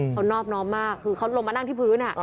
เขานอบน้อมมากคือเขาลงมานั่งที่พื้น